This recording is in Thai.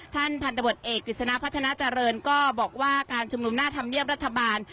ท่านพันธบทเอกวิศนาพัฒนาเจริญก็บอกว่าการชุมนุมน่าทำเนียมรัฐบาล